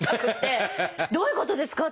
どういうことですか？